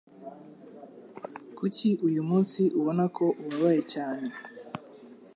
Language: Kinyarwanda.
Kuki uyu munsi ubona ko ubabaye cyane?